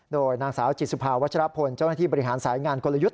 โดยนางสาวจิตสุภาวัชรพลเจ้าหน้าที่บริหารสายงานกลยุทธ์